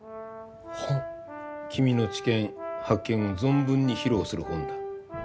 君の知見発見を存分に披露する本だ。